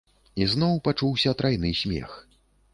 І зноў пачуўся трайны смех.